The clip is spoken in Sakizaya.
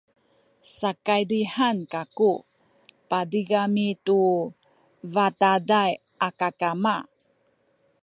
sakaydihan kaku patigami tu i bataday a kakama